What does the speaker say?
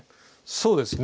そうですね